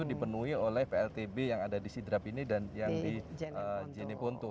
dipenuhi oleh pltb yang ada di c drap ini dan yang di jeneponto